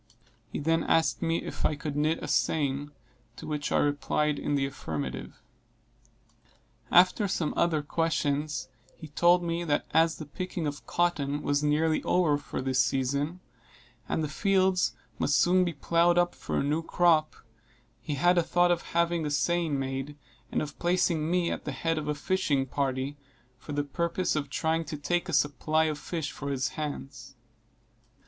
He then asked me if I could knit a seine, to which I replied in the affirmative. After some other questions, he told me that as the picking of cotton was nearly over for this season, and the fields must soon be ploughed up for a new crop, he had a thought of having a seine made, and of placing me at the head of a fishing party, for the purpose of trying to take a supply of fish for his hands.